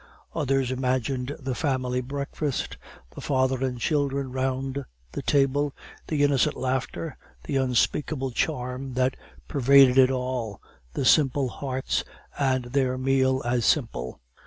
Others imagined the family breakfast, the father and children round the table, the innocent laughter, the unspeakable charm that pervaded it all, the simple hearts and their meal as simple.